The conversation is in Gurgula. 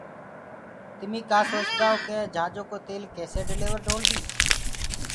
تميٚ ڪآ سوچدآئو ڪيِ جھآجو ڪو تيل ڪيسي ڊليور ڍوݪديس